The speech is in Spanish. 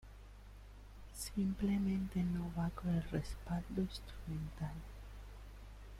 Simplemente no va con el respaldo instrumental.